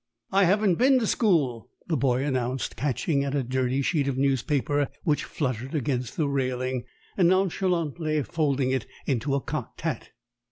"I haven't been to school," the boy announced, catching at a dirty sheet of newspaper which fluttered against the railing, and nonchalantly folding it into a cocked hat.